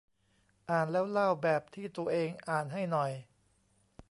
อ่านแล้วเล่าแบบที่ตัวเองอ่านให้หน่อย